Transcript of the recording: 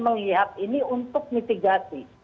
melihat ini untuk mitigasi